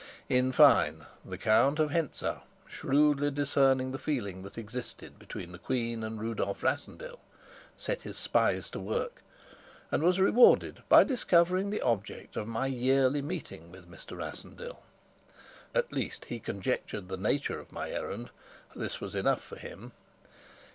In fine, the Count of Hentzau, shrewdly discerning the feeling that existed between the queen and Rudolf Rassendyll, set his spies to work, and was rewarded by discovering the object of my yearly meetings with Mr. Rassendyll. At least he conjectured the nature of my errand; this was enough for him.